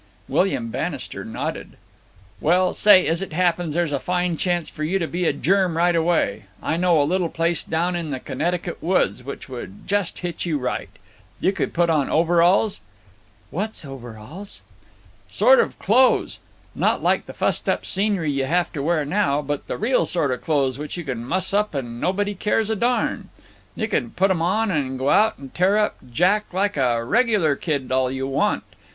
William Bannister nodded. "Well, say, as it happens, there's a fine chance for you to be a germ right away. I know a little place down in the Connecticut woods which would just hit you right. You could put on overalls——" "What's overalls?" "Sort of clothes. Not like the fussed up scenery you have to wear now, but the real sort of clothes which you can muss up and nobody cares a darn. You can put 'em on and go out and tear up Jack like a regular kid all you want.